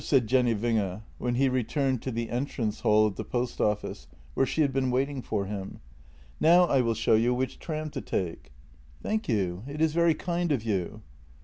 " said Jenny Winge when he returned to the entrance hall of the post office, where she had been waiting for him. " Now I will show you which tram to take." " Thank you, it is very kind of you."